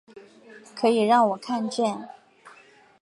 可以让我看见